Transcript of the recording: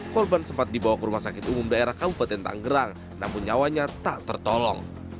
korban sempat dibawa ke rumah sakit umum daerah kabupaten tanggerang namun nyawanya tak tertolong